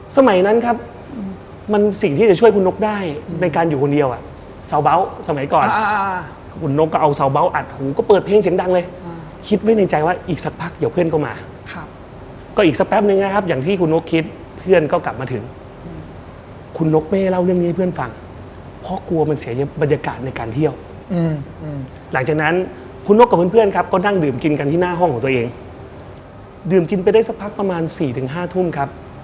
สมัยนั้นครับมันสิ่งที่จะช่วยคุณนกได้ในการอยู่คนเดียวสาวเบาะสมัยก่อนคุณนกก็เอาสาวเบาะอัดหูก็เปิดเพลงเสียงดังเลยคิดไว้ในใจว่าอีกสักพักเดี๋ยวเพื่อนเข้ามาก็อีกสักแป๊บนึงนะครับอย่างที่คุณนกคิดเพื่อนก็กลับมาถึงคุณนกไม่เล่าเรื่องนี้ให้เพื่อนฟังเพราะกลัวมันเสียบรรยากาศในก